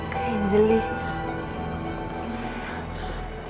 kayak yang jelih